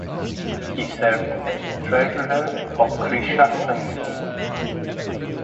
He served as the treasurer of Krishak Samiti.